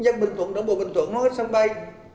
nhân bình thuận đồng bộ bình thuận nói sân bay